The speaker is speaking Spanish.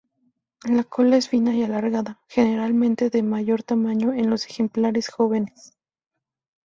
La cola es fina y alargada, generalmente de mayor tamaño en los ejemplares jóvenes.